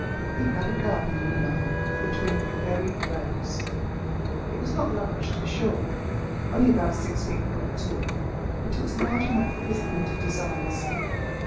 He had a garden on the line between the very rails! It was not large, to be sure, only about six feet by two but it was large enough for his limited desires.